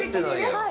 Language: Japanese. はい。